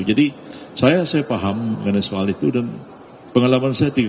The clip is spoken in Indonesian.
jadi saya paham dengan soal itu dan pengalaman saya tinggal